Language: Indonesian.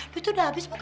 duit udah habis bukan